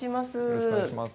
よろしくお願いします。